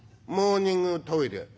「モーニングトイレ」。